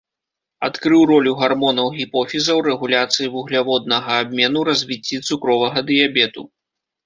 Адкрыў ролю гармонаў гіпофіза ў рэгуляцыі вугляводнага абмену, развіцці цукровага дыябету.